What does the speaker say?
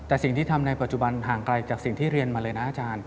แต่สิ่งที่ทำในปัจจุบันห่างไกลจากสิ่งที่เรียนมาเลยนะอาจารย์